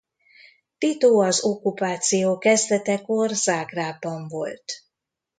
Tito az okkupáció kezdetekor Zágrábban volt.